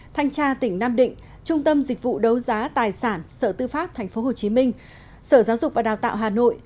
thanh tra tỉnh nam định trung tâm dịch vụ đấu giá tài sản sở tư pháp tp hcm sở giáo dục và đào tạo hà nội